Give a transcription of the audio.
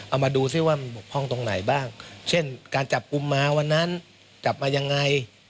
เอามาดูซิว่ามันบกพร่องตรงไหนบ้างเช่นการจับกลุ่มมาวันนั้นจับมายังไง